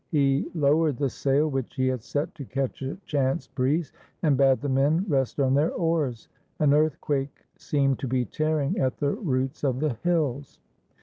He low ered the sail which he had set to catch a chance breeze, and bade the men rest on their oars. An earthquake seemed to be tearing at the roots of the hills.